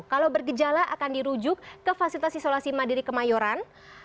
kalau bergejala akan dirujuk ke fasilitas isolasi mandiri kemayoran